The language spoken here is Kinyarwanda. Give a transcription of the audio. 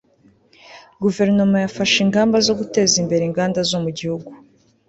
guverinoma yafashe ingamba zo guteza imbere inganda zo mu gihugu